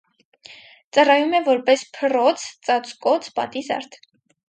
Ծառայում է որպես փռոց, ծածկոց, պատի զարդ։